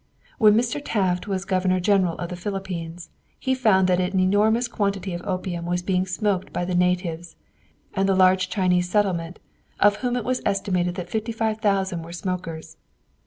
When Mr. Taft was Governor General of the Philippines, he found that an enormous quantity of opium was being smoked by the natives and the large Chinese settlement, of whom it was estimated that fifty five thousand were smokers.